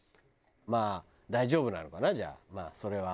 まあ大丈夫なのかなじゃあまあそれは。